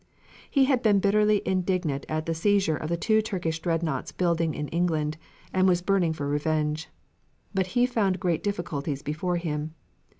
He had been bitterly indignant at the seizure of the two Turkish dreadnaughts building in England, and was burning for revenge. But he found great difficulties before him.